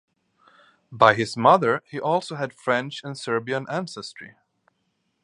By his mother he also had French and Serbian ancestry.